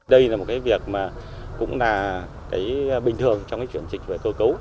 đây là một cái việc mà cũng là cái bình thường trong cái chuyển dịch về cơ cấu